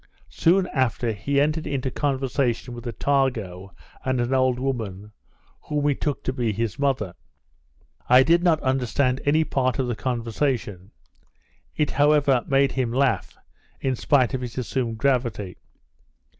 Soon after, he entered into conversation with Attago and an old woman, whom we took to be his mother. I did not understand any part of the conversation; it however made him laugh, in spite of his assumed gravity.